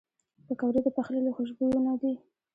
پکورې د پخلي له خوشبویو نه دي